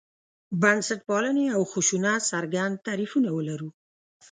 بنسټپالنې او خشونت څرګند تعریفونه ولرو.